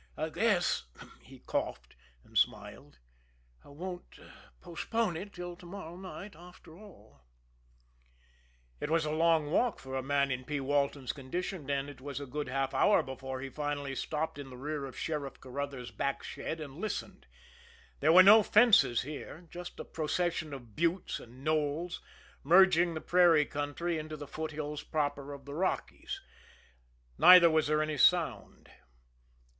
"I guess," he coughed and smiled, "I won't postpone it till to morrow night, after all." It was a long walk for a man in P. Walton's condition, and it was a good half hour before he finally stopped in the rear of Sheriff Carruthers' back shed and listened there were no fences here, just a procession of buttes and knolls merging the prairie country into the foothills proper of the Rockies neither was there any sound.